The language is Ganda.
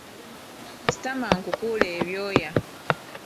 Sitama nkukuule ebyoya.